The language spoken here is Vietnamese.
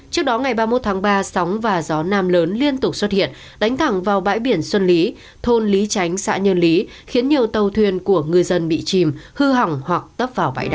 trước đó ngày ba mươi một tháng ba sóng và gió nam lớn liên tục xuất hiện đánh thẳng vào bãi biển xuân lý thôn lý tránh xã nhân lý khiến nhiều tàu thuyền của ngư dân bị chìm hư hỏng hoặc tấp vào bãi đá